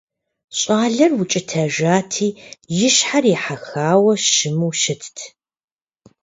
Щӏалэр укӀытэжати, и щхьэр ехьэхауэ щыму щытт.